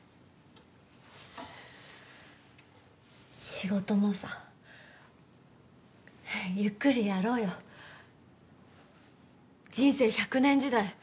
仕事もさゆっくりやろうよ。人生１００年時代